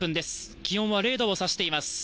気温は０度を指しています。